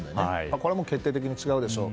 これは決定的に違うでしょう。